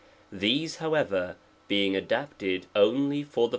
These, however, being adapted only for the!